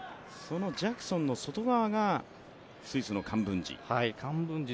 そのジャクソンの外側がスイスのカンブンジ。